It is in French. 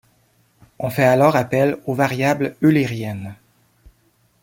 On fait alors appel aux variables eulériennes.